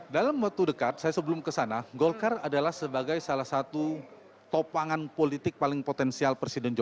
dalam waktu dekat saya sebelum kesana golkar adalah sebagai salah satu topangan politik paling potensial presiden jokowi